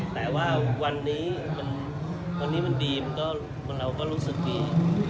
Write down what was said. แต่ว่าวันนี้วันนี้มันดีเราก็รู้สึกดี